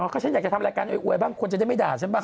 ก็ฉันอยากจะทำรายการอวยบ้างคนจะได้ไม่ด่าฉันบ้าง